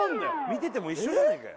見てても一緒じゃねえかよ